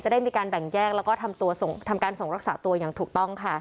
ได้มีการแบ่งแยกแล้วก็ทำการส่งรักษาตัวอย่างถูกต้องค่ะ